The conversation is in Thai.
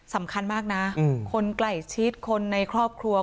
สำคัญมากนะคนใกล้ชิดคนในครอบครัว